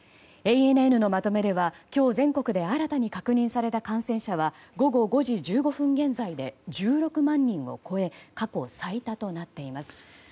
ＡＮＮのまとめでは今日、全国で新たに確認された感染者は、午後５時１５分現在で１６万人を超え過去最多となっています。